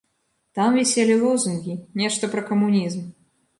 Там віселі лозунгі, нешта пра камунізм.